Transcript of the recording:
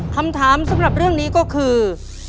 คำถามสำหรับเรื่องนี้ก็คือ